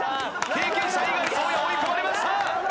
経験者猪狩蒼弥追い込まれました！